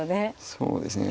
そうですね。